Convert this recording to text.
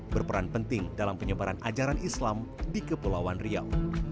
berperan penting dalam penyebaran ajaran islam di kepulauan riau